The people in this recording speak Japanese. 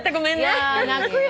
いや泣くよ。